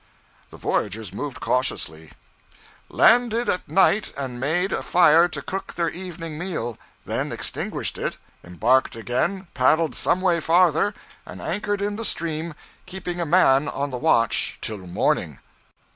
The voyagers moved cautiously: 'Landed at night and made a fire to cook their evening meal; then extinguished it, embarked again, paddled some way farther, and anchored in the stream, keeping a man on the watch till morning.'